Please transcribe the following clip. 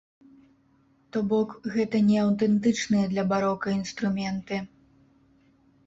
То бок, гэта не аўтэнтычныя для барока інструменты.